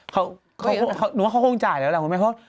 ทำไมเขาก็ห่วงจ่ายเหรอครับ